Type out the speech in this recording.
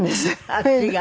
あっちが？